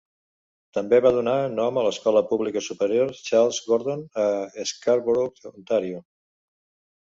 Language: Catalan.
També va donar nom a l'escola pública superior Charles Gordon a Scarborough, Ontario.